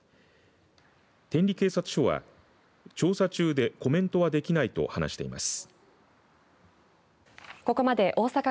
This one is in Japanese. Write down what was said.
天理警察署は調査中でコメントはできないと話しています。